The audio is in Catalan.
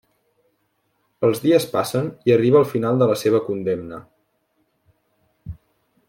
Els dies passen i arriba el final de la seva condemna.